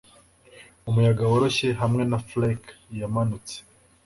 Umuyaga woroshye hamwe na flake yamanutse